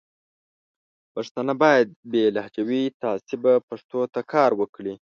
پښتانه باید بې له لهجوي تعصبه پښتو ته کار وکړي.